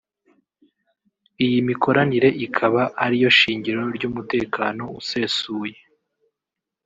Iyi mikoranire ikaba ariyo shingiro ry’umutekano usesuye